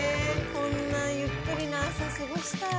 こんなゆっくりな朝過ごしたい。